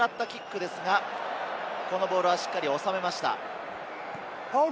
間を狙ったキックですが、ボールはしっかり収めました。